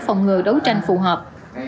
phòng ngừa đấu tranh phù hợp